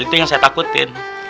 itu yang saya takutin